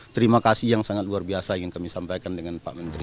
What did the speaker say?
terima kasih yang sangat luar biasa yang kami sampaikan dengan pak menteri